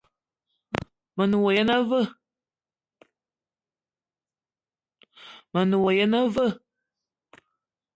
Me ne wa yene aveu?